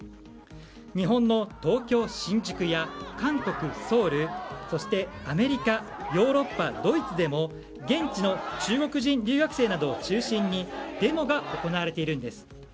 日本の東京・新宿や韓国ソウルそして、アメリカヨーロッパのドイツでも現地の中国人留学生などを中心にデモが行われているんです。